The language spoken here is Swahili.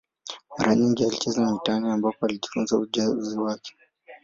Mara nyingi yeye alicheza mitaani, ambapo alijifunza ujuzi wake.